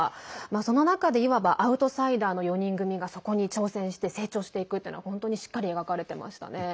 その中でいわばアウトサイダーの４人組がそこに挑戦して成長していくっていうのが本当にしっかり描かれてましたね。